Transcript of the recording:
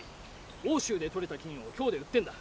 奥州で採れた金を京で売ってんだ。